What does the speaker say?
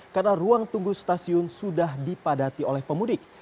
karena ruang tunggu stasiun sudah dipadati oleh pemudik